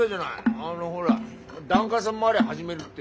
あのほら檀家さん回り始めるって。